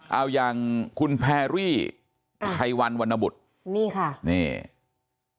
เอายังคุณแพรรี่ไพรวันวนบุตรนี่ค่ะ